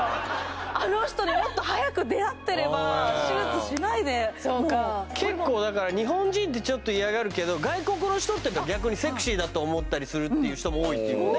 あの人にもっと早く出会ってれば手術しないでもうそうか結構だから日本人ってちょっと嫌がるけど外国の人って逆にセクシーだと思ったりする人も多いっていうもんね